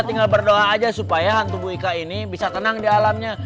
tinggal berdoa aja supaya tubuh ika ini bisa tenang di alamnya